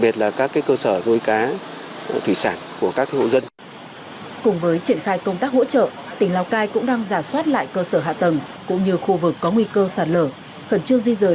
với tinh thần nhanh nhất quyết liệt nhất tỉnh lào cai đang tập trung khắc phục hậu quả